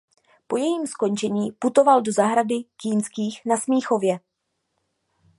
Po jejím skončení putoval do zahrady Kinských na Smíchově.